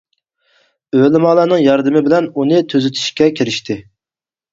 ئۆلىمالارنىڭ ياردىمى بىلەن ئۇنى تۈزىتىشكە كىرىشتى.